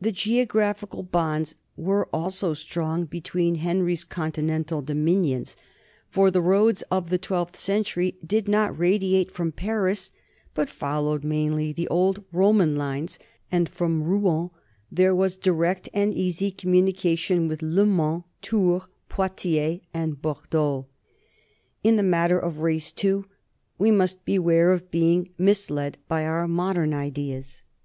The geo graphical bonds were also strong between Henry's con tinental dominions, for the roads of the twelfth century did not radiate from Paris, but followed mainly the old Roman lines, and from Rouen there was direct and easy connection with LeMans, Tours, Poitiers, and Bor deaux. In the matter of race, too, we must beware of being misled by our modern ideas.